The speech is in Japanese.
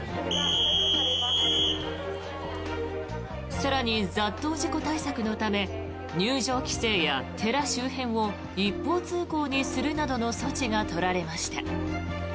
更に、雑踏事故対策のため入場規制や、寺周辺を一方通行にするなどの措置が取られました。